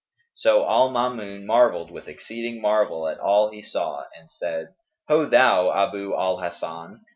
So al Maamun marvelled with exceeding marvel at all he saw and said, "Ho thou, Abu al Hasan!"